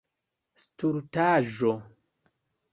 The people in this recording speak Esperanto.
Stultaĵo!